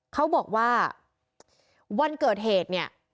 เขาบอกว่าวันเกิดเหตุเนี่ย